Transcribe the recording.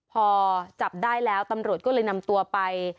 พอจับได้แล้วตำรวจก็เลยนำตัวไป